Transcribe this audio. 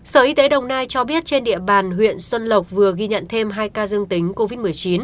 sở y tế đồng nai cho biết trên địa bàn huyện xuân lộc vừa ghi nhận thêm hai ca dương tính covid một mươi chín